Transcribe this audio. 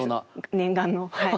念願のはい。